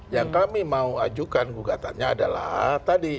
yang kami mau ajukan gugatannya adalah tadi